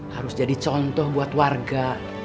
harus jadi contoh buat warga